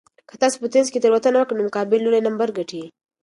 که تاسي په تېنس کې تېروتنه وکړئ نو مقابل لوری نمبر ګټي.